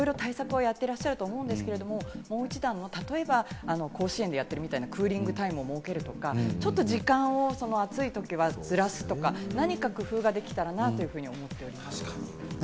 あとは運営側の方ですよね、いろいろ対策はやってらっしゃると思うんですけれど、例えば、甲子園でやってるみたいにクーリングタイムを設けるとか、ちょっと時間を暑いときはずらすとか、何か工夫ができたらなというふうに思います。